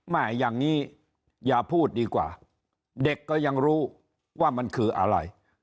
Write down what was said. อย่างนี้อย่าพูดดีกว่าเด็กก็ยังรู้ว่ามันคืออะไร